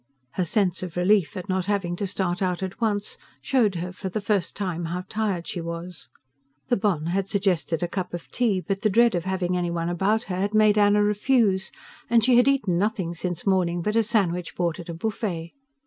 Her sense of relief at not having to start out at once showed her for the first time how tired she was. The bonne had suggested a cup of tea, but the dread of having any one about her had made Anna refuse, and she had eaten nothing since morning but a sandwich bought at a buffet.